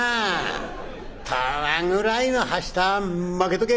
『とは』ぐらいのはしたはまけとけ」。